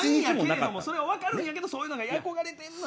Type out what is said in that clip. それは分かるんやけどそういうのに憧れてるのよ。